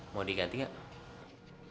mau diganti gak